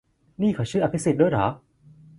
นี่เขาชื่ออภิสิทธิ์ด้วยเหรอ ?